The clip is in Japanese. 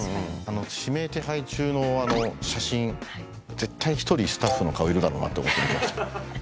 指名手配中の写真絶対１人スタッフの顔いるだろうなって思って。